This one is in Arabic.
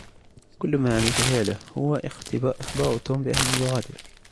كل ما عليك فعله هو إخبار توم بأن يغادر.